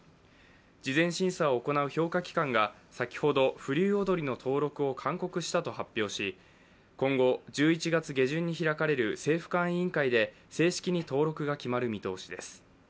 事前審査を行う評価機関が先ほど、風流踊の登録を勧告したと発表し今後、１１月下旬に開かれる政府間委員会で正式に登録が決まる見通しです。